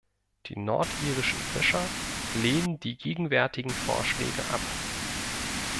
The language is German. Die nordirischen Fischer lehnen die gegenwärtigen Vorschläge ab.